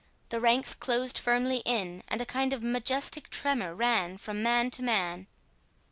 The ranks closed firmly in and a kind of majestic tremor ran from man to man.